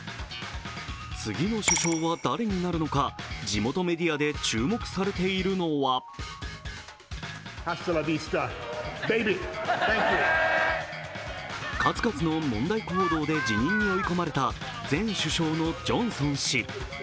次の首相は誰になるのか、地元メディアで注目されているのは数々の問題行動で辞任に追い込まれた前首相のジョンソン氏。